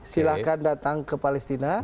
silahkan datang ke palestina